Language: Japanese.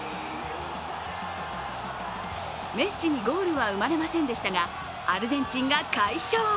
メッシにゴールは生まれませんでしたが、アルゼンチンが快勝。